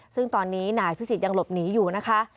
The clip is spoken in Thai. ซึ่งตอนนี้หน่ายภิกษิตยังหลบหนีอยู่นะคะ